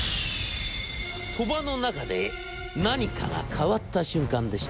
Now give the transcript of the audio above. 鳥羽の中で何かが変わった瞬間でした。